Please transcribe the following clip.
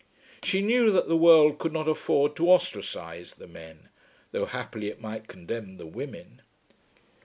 She knew that the world could not afford to ostracise the men, though happily it might condemn the women.